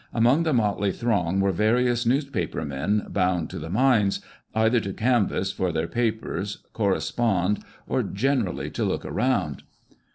Among the motley throng, were various newspaper men bound to the mines, either to canvass for their papers, correspond, or generally to look around.